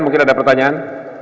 mungkin ada pertanyaan